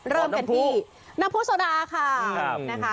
เริ่มกันที่น้ำพุสโซดาค่ะ